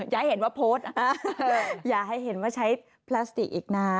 อย่าให้เห็นว่าโพสต์อย่าให้เห็นว่าใช้พลาสติกอีกนะ